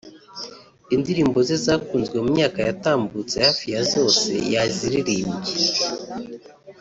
indirimbo ze zakunzwe mu myaka yatambutse hafi ya zose yaziririmbye